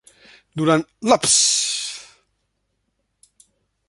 Durant l'"ups!"...